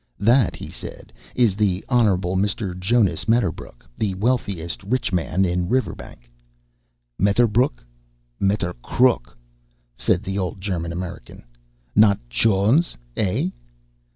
"That," he said, "is the Honorable Mr. Jonas Medderbrook, the wealthiest rich man in Riverbank." "Metterbrook? Mettercrook?" said the old German American. "Not Chones, eh?"